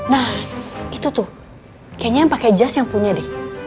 nah itu tuh kayaknya yang pakai jas yang punya deh